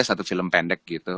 satu film pendek gitu